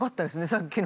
さっきの。